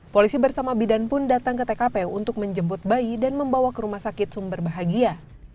polisi bersama bidan pun datang ke tkp untuk menjemput bayi dan membawa ke rumah sakit sumber bahagia